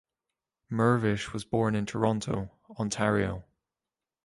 Mirvish was born in Toronto, Ontario.